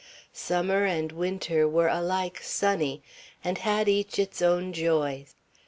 Summer and winter were alike sunny, and had each its own joys.